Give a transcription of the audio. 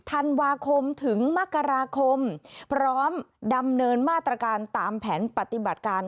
ธันวาคมถึงมกราคมพร้อมดำเนินมาตรการตามแผนปฏิบัติการ